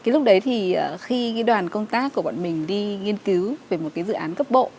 lúc đấy thì khi đoàn công tác của bọn mình đi nghiên cứu về một dự án cấp bộ